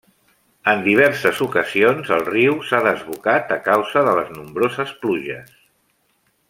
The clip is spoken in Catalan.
En diverses ocasions, el riu s'ha desbocat a causa de les nombroses pluges.